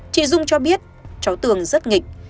chị dung cho biết cháu tường rất nghịch